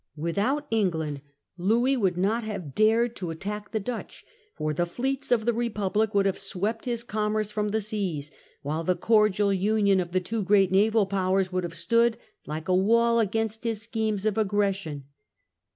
Without England, Louis would not have dared to attack the Dutch, for the fleets of the Republic would have swept his commerce from the seas ; while the cordial union of the two great naval powers 1 672 . Lonb and Sweden . 189 would have stood likq a wall against his schemes of aggression.